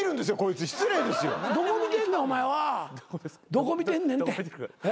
どこ見てんねんお前は。